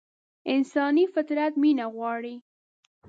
انساني فطرت مينه غواړي.